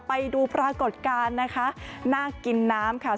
ไปดูปรากฏการณ์นะคะน่ากินน้ำค่ะ